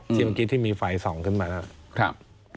ที่เมื่อกี้ที่มีไฟส่องขึ้นมานะครับ